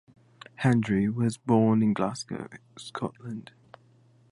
Hendry was born in Glasgow, Scotland.